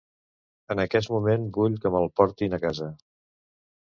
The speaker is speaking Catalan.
En aquest moment vull que me'l portin a casa.